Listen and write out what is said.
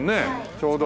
ちょうど。